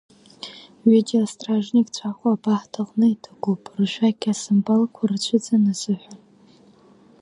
Ҩыџьа астражникцәа Аҟәа абахҭаҟны иҭакуп, ршәақь асамԥалқәа рцәыӡын азыҳәа.